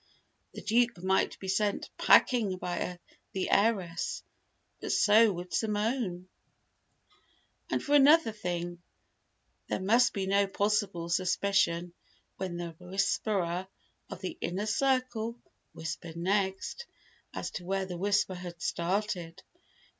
The Duke might be sent "packing" by the heiress, but so would Simone! And for another thing, there must be no possible suspicion when the "Whisperer" of the Inner Circle whispered next, as to where the whisper had started.